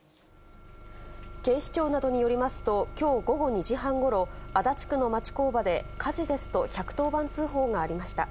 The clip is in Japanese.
警視庁などによりますと、きょう午後２時半ごろ、足立区の町工場で火事ですと１１０番通報がありました。